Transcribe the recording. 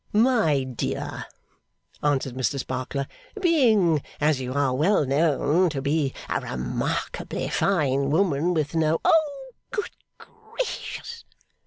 'My dear,' answered Mr Sparkler; 'being as you are well known to be, a remarkably fine woman with no ' 'Oh, good GRACIOUS!